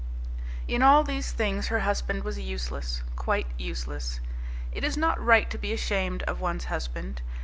In all these things her husband was useless, quite useless. It is not right to be ashamed of one's husband.